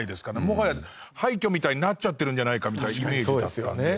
もはや廃虚みたいになっちゃってるんじゃないかみたいなイメージだったんで。